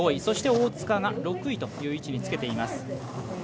そして大塚が６位という位置につけています。